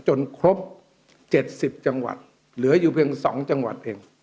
จนครบเจ็ดสิบจังหวัดเหลืออยู่เพียงสองจังหวัดเอง